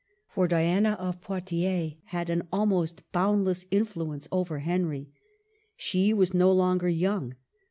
For Diana of Poictiers had an almost bound less influence over Henry. She was no longer young.